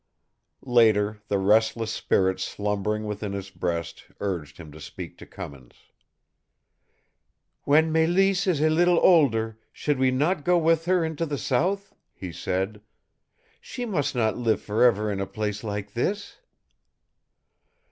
Later, the restless spirit slumbering within his breast urged him to speak to Cummins. "When Mélisse is a little older, should we not go with her into the South?" he said. "She must not live for ever in a place like this."